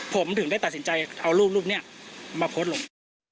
ผมถึงได้ตัดสินใจเอารูปนี้มาโพสต์ลง